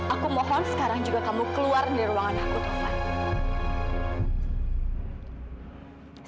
aku mohon sekarang juga kamu keluar dari ruangan yang aku kemarin